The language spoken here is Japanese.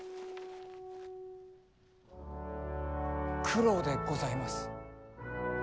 九郎でございます。